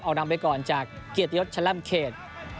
เอานำไปก่อนจากเกียรติยศแชล่มเขต